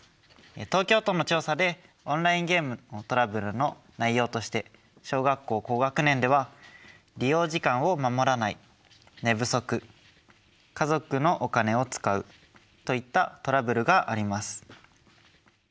東京都の調査でオンラインゲームのトラブルの内容として小学校高学年では利用時間を守らない寝不足家族のお金を使うといったトラブルがあります。